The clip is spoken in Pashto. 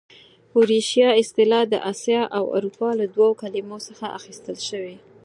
اوریشیا اصطلاح د اسیا او اروپا له دوو کلمو څخه اخیستل شوې.